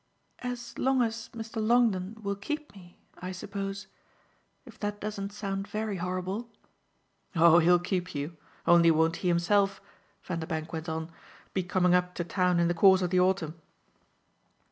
"As long as Mr. Longdon will keep me, I suppose if that doesn't sound very horrible." "Oh he'll keep you! Only won't he himself," Vanderbank went on, "be coming up to town in the course of the autumn?"